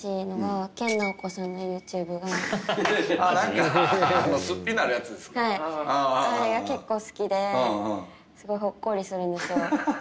あれが結構好きですごいほっこりするんですよ。